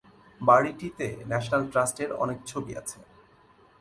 বাড়িটিতে national trust এর অনেক ছবি আছে।